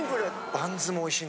バンズもおいしい。